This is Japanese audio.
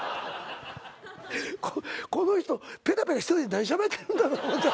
この人ペラペラ一人で何しゃべってんだろう思た？